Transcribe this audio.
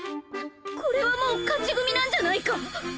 これはもう勝ち組なんじゃないか！？